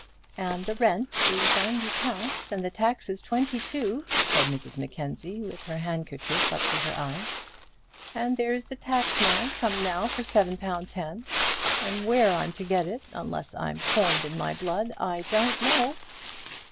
"And the rent is ninety pounds, and the taxes twenty two," said Mrs Mackenzie, with her handkerchief up to her eyes; "and there's the taxman come now for seven pound ten, and where I'm to get it, unless I coined my blood, I don't know."